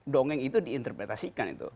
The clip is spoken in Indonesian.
dongeng itu diinterpretasikan